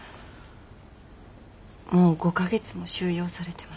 もう５か月も収容されてます。